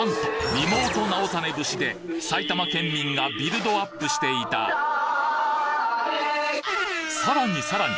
リモート直実節で埼玉県民がビルドアップしていたさらにさらに！